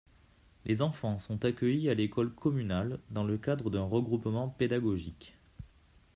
Les enfants sont accueillis à l'école communale dans le cadre d'un regroupement pédagogique.